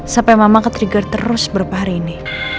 sampai mama ketrigger terus berpahar ini